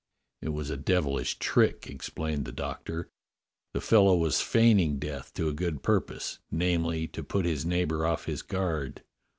"It was a devilish trick," explained the Doctor. " The fellow was feigning death to a good purpose — namely, to put his neighbour off his guard.